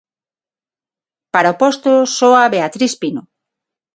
Para o posto soa Beatriz Pino.